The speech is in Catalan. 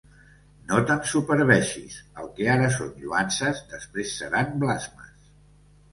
No t'ensuperbeixis: el que ara són lloances, després seran blasmes.